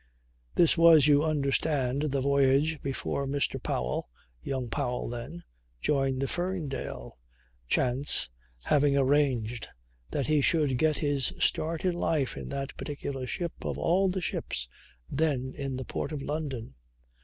This was you understand the voyage before Mr. Powell young Powell then joined the Ferndale; chance having arranged that he should get his start in life in that particular ship of all the ships then in the port of London.